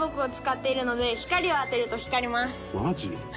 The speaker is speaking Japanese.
マジ？